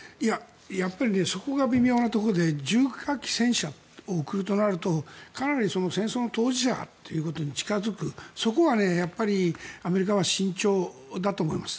やっぱりそこが微妙なところで重火器、戦車を送るとなるとかなり戦争の当事者ということに近付くそこはアメリカは慎重だと思います。